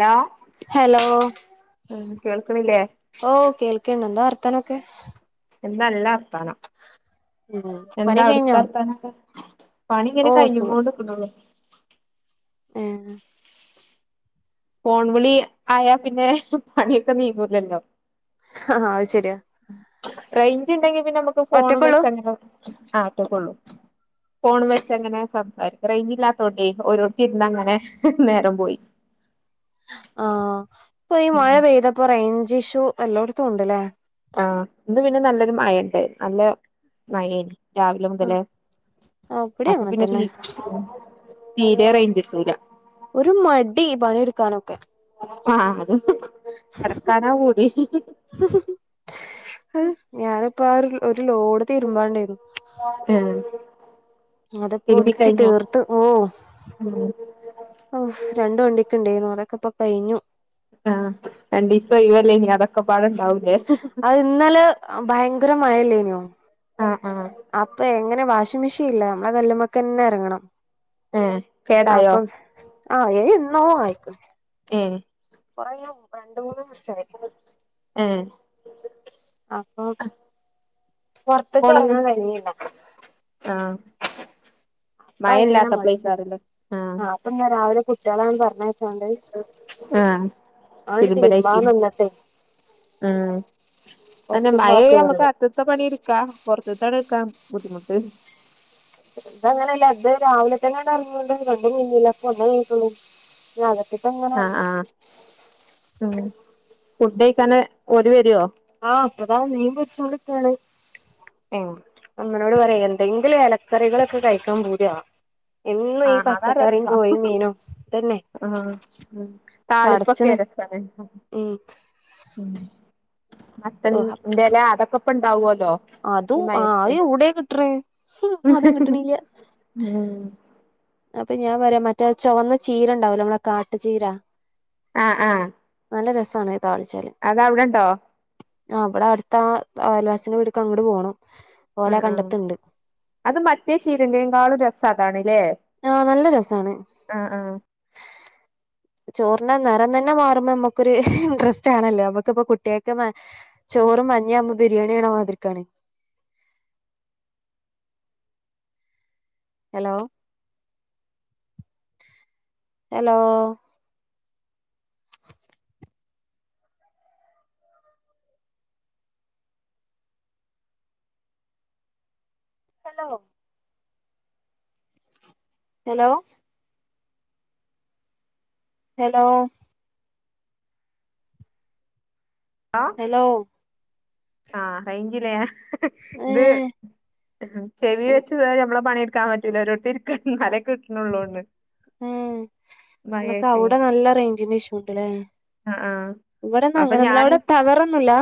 Hello hello. ഉം കേൾക്കണില്ലേ ഓ കേൾക്കണ്ട് എന്താ വർത്താനൊക്കെ? എന്താല്ലർത്താനം ഉം പണി എന്താ അവ്ട്ത്തെ കഴിഞ്ഞോ വർത്താനൊക്കെ. പണി ഓ ഇങ്ങനെ കഴിഞ്ഞും സുഖം ഏ. ഫോൺ വിളി ആയാ പിന്നെ പണിയൊക്കെ നീങ്ങൂലല്ലോ. ആ അത് ശരിയാ. റേഞ്ച് ഇണ്ടെങ്കി പിന്നെ അമ്മക്ക് ഫോണും ഒറ്റക്കുള്ളൂ വെച്ച് അങ്ങനെ [unintelligible] ഫോണും വെച്ചങ്ങനെ സംസാരിക്ക റേഞ്ച് ഇല്ലാത്തോണ്ടേ ഓരോടുത്തിരുന്ന് അങ്ങനെ, നേരം പോയി. [unintelligible] ആ ഇപ്പൊ ഈ മഴ പെയ്തപ്പോ റേഞ്ച് ഇഷ്യൂ എല്ലോട്ത്തും ഇണ്ട്ലേ. ആ ഇന്ന് പിന്നെ നല്ലൊരു മഴ ഇണ്ട്, നല്ല മഴേനീ. രാവിലെ ആഹ് മുതലേ, ഇവിടേം അപ്പൊ അങ്ങനെ പിന്നെ തന്നെ തീരെ റെയിഞ്ചിട്ടൂല. ഒരു മടി, പണിടുക്കാനൊക്കെ. ആ അത് കെടക്കാനാ പൂതി. ഇപ്പൊ ആ ഒരു ലോഡ് തീരുമ്പാണ്ടേർന്നു. അതിപ്പോ തിരുമ്പി ഒതുക്കി കഴിഞ്ഞോ തീർത്ത് ഓ. ഉം ഓ രണ്ട് വണ്ടിക്ക് ഇണ്ടായ്ന്നു, അതെക്കെ ഇപ്പൊ കഴിഞ്ഞു. ആ രണ്ടിസ ഇവല്ലേനി അത ഇന്നലെ ഭയങ്കര മഴല്ലേന്യോ. ആഹ് ആഹ് അപ്പൊ എങ്ങനെ വാഷിംഗ് മെഷീൻ ഇല്ല, അമ്മളെ കല്ലുമ്മക്കെന്നെ ഇറങ്ങണം. ഏഹ് കേടായോ അപ്പം ആ ഐ എന്നോ ആയി ഏ കുറയും രണ്ട് മൂന്ന് ശരി ഏഹ് അപ്പൊ പൊറത്ത്ക്ക്‌ ഒണങ്ങ് ഇറങ്ങാൻ കഴിണില്ല ആഹ് അപ്പൊ അങ്ങനെ മടിച്ചും മഴല്ലാത്തപ്പളേക്കാരല്ലേ ആഹ് ആ അപ്പൊ ഞാൻ രാവിലെ കുട്ടികള പറഞ്ഞ ആ ആണ്ട് തിരുമ്പാൻ തിരുമ്പലേശി നിന്നിട്ടേ ആ അന്നെ കൊറച്ചുമ്പാ മഴ നമ്മക്ക് കേറിയത് അകത്തെ പണി എടുക്കാം പൊറത്ത്ത്തെ അവിടെ വെ ക്കാം എന്താങ്ങന ഇല്ല അത് രാവിലെ തന്നെയാണ് ഇറങ്ങണ്ടത് രണ്ടും കഴിഞ്ഞില്ലാ ഇ പ്പൊ ഒന്നേ കഴിഞ്ഞിട്ടൊള്ളൂ. ഞ്ഞി അകത്ത് ങ്ങനെ ആഹ് ആഹ് [unintelligible] ഉം ഫുഡഴിക്കാന് ഓല് വരോ ആ അപ്പതാ മീൻ പൊരിച്ചോണ്ട്ക്കാണ് ഏഹ് അമ്മനോട് പറയാ എന്തെങ്കില് ഇലക്കറികളൊക്കെ കഴിക്കാൻ പൂതിയാവുണ് എന്നും ഈ ആഹ് പച്ചക്കറിയും കോഴി മീനും ഇതന്നെ ആ താളിപ്പൊക്കെ ചടച്ച്ണ് രസാണ് മത്ത ന്റെ എല അതകപ്പൊ ഉണ്ടാവുല്ലോ അദു ആ എവിടെ കിട്ട്ണ് ഉ അതും കിട്ടണില്ല ഉം അപ്പൊ ഞാൻ പറയാം മറ്റേ ചുവന്ന ചീരണ്ടാവല്ലോ നമ്മളെ കാട്ടു ചീരാ ആ ആ നല്ല രസാണ് താളിച്ചാല് അതവടെഇണ്ടോ ആ അവിടെ അടുത്ത ആ അയൽവാസി വീട്ട്ക്ക് അങ്ങട്ട് പോണം ആ ഓല ആ കണ്ടത്തുണ്ട് അത് മറ്റേ ചീരന്റെകാളും രസാദാണല്ലേ ആനല്ല രസാണ് ചോറിന്റെ നിറം തന്നെ മാറുമ്പോ നമ്മുക്കൊരു ഇൻറ്രസ്റ്റ് ആണല്ലോ നമ്മക്ക്‌പ്പൊ കുട്ടികൾക്ക് ചോ ചോറും മഞ്ഞാവുമ്പോ ബിരിയാണയണ മാതിരിക്കാണ് hello hello hello hello hello hello ആ റൈഞ്ചില്ല ഏ ഇത് ചെവി വെച്ച നമ്മളെ പണിടു ക്കാൻ പറ്റൂലല്ലൊ ഒരോടത്ത് ഇരിക്കണം കിട്ടണള്ളൂണ്ട് ഹേ നിങ്ങൾക്ക് അവിടെ നല്ല റേഞ്ചിന് ഇഷൂണ്ട്ല്ലേ ആഹ് ആഹ് ഇവിടെ ഒന്നും അപ്പൊ അങ്ങനെന്നുല്ല ഞാന് അവിടെ ടവറൊന്നും ഇല്ലാ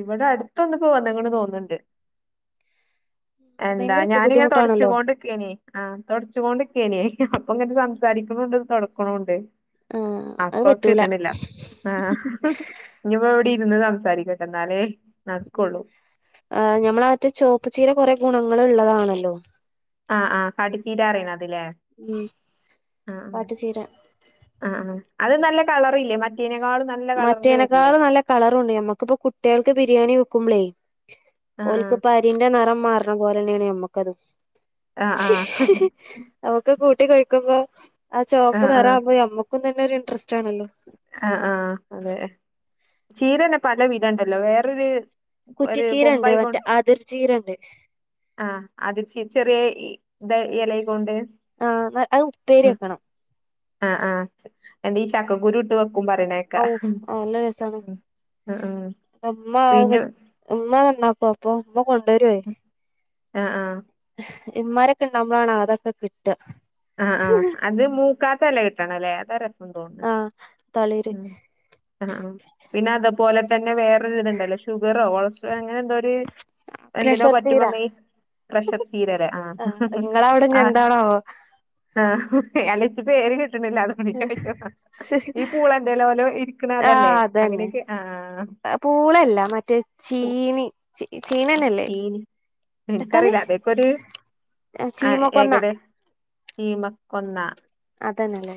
ഇവിടെ അടുത്ത് ഒന്ന്‌ ഇപ്പൊ വന്ന്‌ക്ക്‌ണ് തോന്നുന്നുണ്ട് എന്താ ഭയങ്കര ഞാനിങ്ങനെ ബുദ്ധിമുട്ടാണല്ലോ തൊടച്ചോകോണ്ടിക്ക ആ തൊടച്ചോണ്ട് ക്കേന്നു അപ്പൊ അങ്ങനെ സംസാരിക്കണണ്ട് തൊടക്കുണൂണ്ട് ആഹ് അത് പറ്റൂല അപ്പൊകിട്ടിണില്ല ആ ഇനിപ്പോ ഇവിടെ ഇരുന്ന് സംസാരിക്ക എന്നാലേ ആ ഞമ്മള മറ്റ ചുവപ്പ് ചീര കുറെ ഗുണങ്ങൾ ഉള്ളതാണല്ലോ ആ ആ കാട്ട്ചീരാറയിണതൊ ല്ലേ ഉം ആ പാട്ടുചീര ആ ആ അത് നല്ല കളറില്ലേ മറ്റേനേക്കാളും നല്ല കളറില് മറ്റേനക്കാൾ വരില്ലേ നല്ല കളറുണ്ട് ഞമ്മക്കിപ്പം കുട്ടികൾക്ക് ബിരിയാണി വെക്കുമ്പളേ ആഹ് ഓൽക്ക്പ്പം അരിന്റെ നിറം മാറണം പോലെ തന്നെയാണ് ഞമ്മക്കതും ആഹ് ആഹ് ആഹ് നമുക്ക് കൂട്ടി കഴിക്കുമ്പോ ആ ചോപ്പ നിറാവുമ്പോ നമ്മക്കും തന്നെ ഒരു ഇൻറസ്റ്റ് ആ ആ അതെ ചീരന്നെ പല വിധണ്ടല്ലോ വേറൊരു ഒരു കുറ്റിച്ചീര ഉണ്ട് മറ്റേ കൊമ്പായിക്കോണ്ട് അതിർചീര ഉണ്ട് ആ. അത് ച ചെറിയ ഇ ഇല കൊണ്ട് ആ അത് ഉപ്പേരി വെക്കണം. ആ ആ എന്റെ ഈ ചക്കക്കുരു ഇട്ട് വെക്കും പറയണക്കാ. അമ്മ അമ്മ നന്നാക്കും അപ്പൊ അമ്മ കൊണ്ടുവരുവ. ആ ആ. ഇമാരൊക്കെ ഉണ്ടാവുമ്പോഴാണ് ആണ് അതൊക്കെ കിട്ട ആ ആ അത് മൂക്കാത്തല കിട്ടണം അല്ലേ അതാ രസം തോന്നണ്. ആഹ് തളിര് ആ പിന്നെ അതുപോലെ തന്നെ വേറൊരിതുണ്ടല്ലോ ഷുഗറോ കൊളസ്ട്രോ അങ്ങനെ എന്തോ ഒരു എന്തിനോ പ്രഷർ പറ്റും തീരാ പറഞ്ഞ പ്രഷർ ചീര ആ ആഹ് നിങ്ങളവിടെ ഇനി ആ. എന്താണാവോ ആ [unintelligible] [unintelligible] എന്റെേലോലെ ഇരിക്കണ അതല്ലേ ആഹ് അതന്നെ അങ്ങനെയൊക്കെ ആ. പൂളല്ല മറ്റേ ചീനി ചീനന്നല്ലേ ചീനി എത്താണ്? എനിക്കറിയില്ല അതൊക്കെ ഒരു ചീമ കൊന്ന. ചീമ കൊന്ന. അതന്നല്ലേ.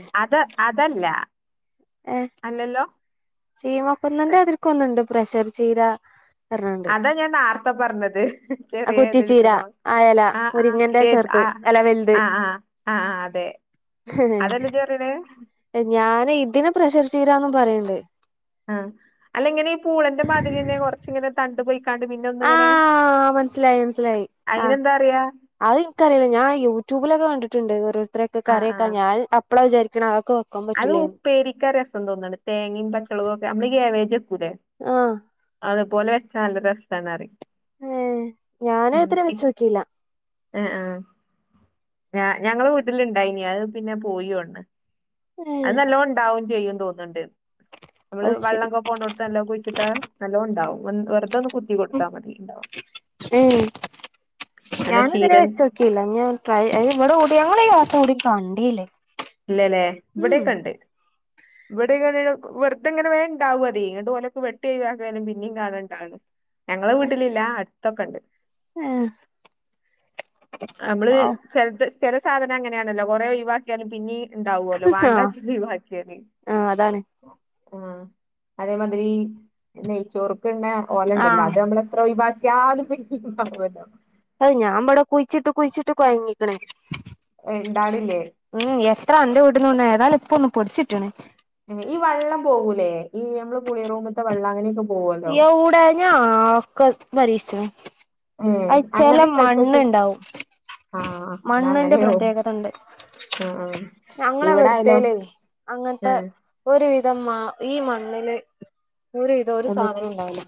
ഇതല്ല. അല്ലല്ലോ. ചീമ കൊന്നൻ്റെ അതിക്ക ഒന്നുണ്ട് പ്രഷർ ചീര പറഞ്ഞോണ്ട് അതാ ഞാൻ നേർത്ത പറഞ്ഞത്. ആഹ് ചെറിയ ഇത് കുറ്റിച്ചീര കിട്ടണോ അയല ആ ആ മുരിങ്ങന്റെ ചെറുത് ആ അല്ല ആ ആ ആ അതെ. അതെല്ല [unintelligible] ഇതിനെ പ്രഷർ ചീരാന്നും പറയണ്ട്. ആ അല്ല ഇങ്ങനെ ഈ പൂളന്റെ പാതിൽ തന്നെ കൊറച്ചിങ്ങനെ തണ്ടു പോയി ആ മനസ്സിലായി മനസ്സിലായി ആ. അതിനെന്താ പറയാ അത് ഇനിക്കറിയില്ല ഞാൻ യൂട്യൂബിലൊക്കെ കണ്ടിട്ട് ണ്ട് ഓരോരുത്തരൊക്കെ ആ ആ കറിയൊക്കാ ഞാൻ അപ്പോള വിചാരിക്കണം ആ അത് ഉപ്പേരിക്കാ രസം തോന്നണ് തേങ്ങയും പച്ചളകവും ഒക്കെ നമ്മള് കാബേജ് ആഹ് അതപോലെ വെച്ചാ നല്ല രസാന്ന് പറയും. ഏ ഞാന അത്ര വെച്ച നോക്കില്ല. ആ ആ ഞ ഞങ്ങള് വീട്ടില ഇണ്ടായിന അത് പിന്നെ പോയി തോന്നണ്. അത് നല്ല ഉണ്ടാവും ചെയ്യും തോന്നണ്ട്. നമ്മള് അത് ശരി വെള്ളക്കെ പോണോടത്ത് നല്ലോ കുഴിച്ചിട്ടാ നല്ലോ ഉണ്ടാവും വെറുത കുത്തി കൊടുത്താ മതി ഉണ്ടാവും. നല്ല ഞാന് ഇതുവരെ ശീലൻ വെച്ച് നോക്കിയില്ല ഞാൻ ട്രൈ ഇവിടെ കൂടി ഞങ്ങടെ [unintelligible] കണ്ടയില്ലേ. ഇല്ലല്ലേ ഇവിടോക്കെ ഇണ്ട്. ഇവിടെങ്ങ വെറുതെ ഇങ്ങനെ വേണ്ടാവും അത് [unintelligible] വെട്ടി ഒഴിവാക്കാനും പിന്നെയും കാണേണ്ടതാണ്. ഞങ്ങള് വീട്ടിലില്ല അടുത്തൊക്കെ ഉണ്ട്. ഏഹ് നമ്മള് ആഹ് ചെലപ്പ സാധനം അങ്ങനാണല്ലോ കുറെ ഒഴിവാക്കിയാലും പിന്നീ ഉണ്ടാവല്ലോ വേണ്ട വെച്ചിട്ട ഒഴിവാക്കിയത്. ആഹ് അതാണ് ആ അതേമാതിരി നെയ്ച്ചോർക്ക്ന്ന ഓല ഉണ്ടല്ലോ ആഹ് അത് നമ്മള എത്ര ഒഴി [unintelligible] അത് ഞാൻ ഇവിടെ കുഴിച്ചിട്ട് കുഴിച്ചിട്ട് കൊഴഞ്ഞ്ക്കണ്. ഏ, ഉണ്ടാണില്ലേ ഉം എത്ര [unintelligible] ഈ വള്ളം പോകൂലേ ഈ നമ്മളെ കുളി റൂമ്െത്തവെള്ളം അങ്ങനെയൊക്കെ പോവല്ലോ ഏ [unintelligible] അത് ചെല അങ്ങനത്തെ സ്ഥലത്തൊക്കെ മണ്ണ്ണ്ടാവും. ആ എന്നാ മണ്ണിന്റെ അങ്ങനെയാവും പ്രത്യേകതണ്ട്. ആ ആ ഇവിടായാലോ ഞങ്ങളവിടുത്തേ േല അങ്ങനത്തെ ആഹ് ഒരു വിധ ഇത മ ഈ മണ്ണില് ഒരു ഇതോ ഒരു ഒന്ന് സാധനോണ്ടാവൂല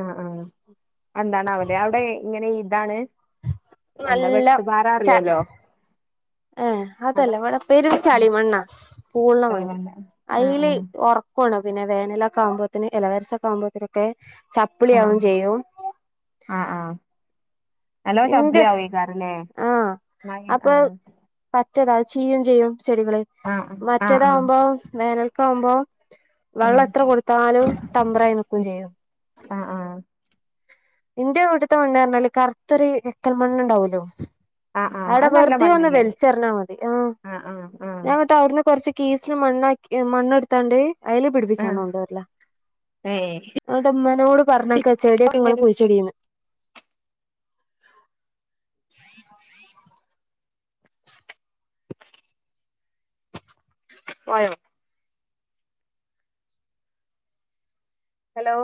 ആഹ് ആഹ് എന്താണ് ഔടെ അവിടെ ഇങ്ങനെ ഇതാണ്. എന്താ നല്ല വെട്ടുപാറ ച അറിയാലോ ഏ അതാ അതല്ല വടെ പെരും ചളി മണ്ണാ പൂള്ണ ആഹ് മണ്ണ്. ആഹ് അയിൽ ഒറക്കാണ് പിന്നെ വേനലൊക്കെ ആവുമ്പോത്തിന് ഇല്ല വരിസൊക്കെ ആവുമ്പോത്തിനൊക്കെ ചപ്പിളി ആഹ് ആകും ചെയ്യും. ആഹ് ആഹ് നല്ലോ ന്റെ ചപ്പ്ളി ആവോയ്ക്കാരല്ലേ ആ മഴ അപ്പൊ ആഹ് [unintelligible] ചെയ്യും ചെയ്യും ചെടികള് ആഹ് ആഹ് ആഹ് മറ്റേതാവുമ്പോ വേനൽക്ക ആാവുമ്പോ ആഹ് വെള്ളം എത്ര കൊടുത്താലും ടമ്പറായി നിക്കും ചെയ്യും. ആ ആ ഇന്റെ ഇവിടുത്തെ മണ്ണ് പറഞ്ഞാല് കറുത്തൊ എക്കൽ മണ്ണുണ്ടാവോല്ലോ? ആഹ് ആഹ് അവിടെ അത് നല്ല വെറുതെ വന്ന് മണ്ണല്ലേ വലിച്ചെറിഞ്ഞാൽ മതി മ് ആ ആഹ് ആഹ് ആഹ് ഞാൻ ന്നട്ട് അവിടുന്ന് കൊറച്ച് കീസില് മണ്ണാക്കി മണ്ണ്ടുത്താണ്ട് അതില് പിടിപ്പിച്ചാണ്ട് ആഹ് കൊണ്ട്വരല ഏഹ് ഉമ്മനോട് പറഞ്ഞ്ക്ക ചെടി ഒക്കെ ഇങ്ങള് കുയ്ച്ചി ടി. ആയോ? Hello.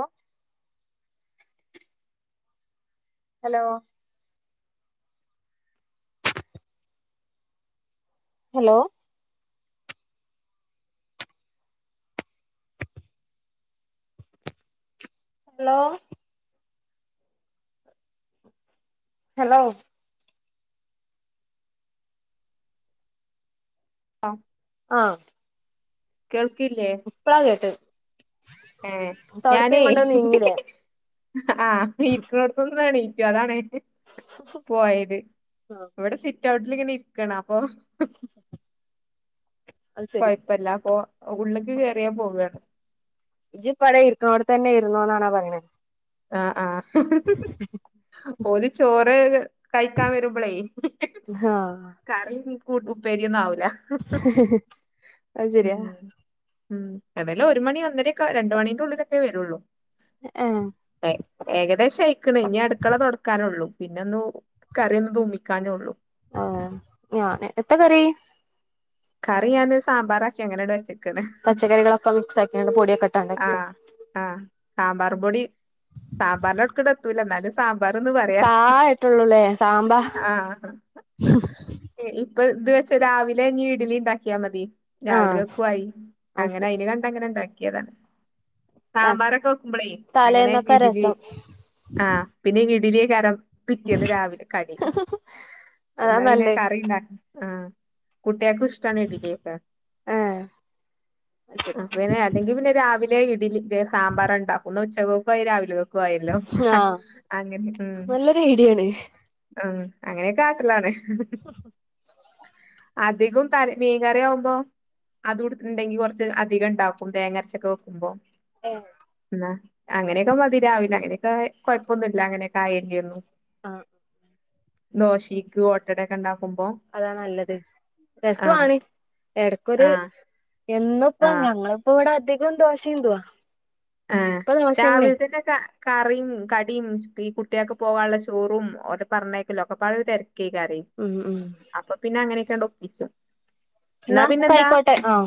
Hello hello. Hello. Hello. ആ ആ കേൾ ഇപ്പളാ കേട്ടത് ഏഹ് തൊടപ്പം ഞാനേ കൊണ്ടു നീങ്ങിലേ? ആഹ് ഇരിക്ക്ണോടത്തിന്ന് എണീക്കും അതാണ്. പോയത് ആ ഇവിടെ സിറ്റ് ഔട്ടിൽ ഇങ്ങനെ ഇരിക്കണ അപ്പൊ അത് ശരി കൊയപ്പല്ല പ്പൊ ഉള്ള്ക്ക് കയറിയാ പോവാണ്. ഇജിപ്പട ഇരിക്ണോട്ട് തന്നെ ഇരുന്നോ ന്നാണാ പറയണത്. ആ ആ ഓല് ചോറ് കഴിക്കാൻ വരുമ്പളേ കറിം കു ഉപ്പേരിയൊ അ ത് സെരിയാ. ഉം ഉം അതെല്ലാം ഒരു മണി ഒന്നരേക്കെ രണ്ട് മണി ന്റെ ഉള്ളിലൊക്കെ വരുള്ളൂ. ആ [unintelligible] ഏകദേശയിക്ക്ണ്ണ ഇനി അടുക്കള തുടക്കാനുള്ളു പിന്നെ ഒന്ന് കറിയൊന്ന് തൂമിക്കാനൊള്ളു. ആ ഞാന് എത്തകറി? കറി ഞാന് ഒരു സാമ്പാറാക്കി അങ്ങനെ പച്ചക്കറി കൾ ഒക്കെക് മിക്സ് ആക്കി. ആ ആ ആ ബർപൊടി. സാമ്പാറിന്റെ വട്ക്ക്ണെത്തൂല ന്നാലും. സാമ്പാർന്ന് പറയാ സാ ആയിട്ടുള്ളൂല്ലേ സാമ്പാ ആ പ്പ ഇത് പക്ഷെ രാവിലെ ഇനി ഇഡലി ഇണ്ടാക്കിയാമതി രാവിലെ ആഹ് കെക്കുവായി അത് അങ്ങനെ ശരി അയിന് കണ്ടങ്ങനെ ഇണ്ടാക്കി. [unintelligible] ആഹ് സാമ്പാറൊക്കെ വെക്കുമ്പോളേ അങ്ങനെ തലേന്നൊക്കെ ഇഡ്ലി രസം ആ പിന്നെ ഇഡലി രം പിറ്റേന്ന് രാവിലെ കടിയില് അതാ എന്താ പിന്നെ നല്ലേ കറി ഉണ്ടാക്ക ആ കുട്ടയാ ഒക്കെ ഏഹ് പിന്നെ അല്ലെങ്കി പിന്നെ രാവിലെ ഇഡിലി സാമ്പാർ ഉണ്ടാക്കുന്നു ഉച്ചക്ക് രാവിലെ ല്ലോ ആഹ് അങ്ങനെ ഉ നല്ലൊരു ഐഡിയാണ് ഉ അങ്ങനെയൊക്കെ കാട്ടിലാണ് സ സ അധികം ത മീൻകറി ആവുമ്പോ അത് കൊടുത്തിട്ടുണ്ടെങ്കി കുറച്ച് അധികം ഉണ്ടാക്കും തേങ്ങരച്ചൊക്കെ വെക്കുമ്പോ ആ ആ അങ്ങനെയൊക്കെ മതി രാവിലെ അങ്ങനെയൊക്കെ കൊഴപ്പൊന്നും ഇല്ല അങ്ങനെയൊക്കെ ആയല്ല ഒന്നും ആ ദോശക്ക് ഓട്ടടൊക്കെ ഉണ്ടാവ അതാ നല്ലത് ആഹ് രസമാണ് ഇടക്കൊരു- ആഹ് എന്നിപ്പ ആഹ് ഞങ്ങളിപ്പോ ഇവിടെ അധികം ദോശ ചുടുവ ആ രാവിലത്തേന്റെ- കറിയും കടിയും ഈ കുട്ടിയൊക്കെ പോകാനുള്ള ചോറും ഓര് പറഞ്ഞേക്കല്ലോ ഒക്കെ പലവിധ- ഉം ഉം അപ്പൊ പിന്നെ അങ്ങനെയൊക്കാ ഒപ്പിച്ചു എന്നാ പിന്നെ എന്താ ആയിക്കോട്ടെ ആഹ്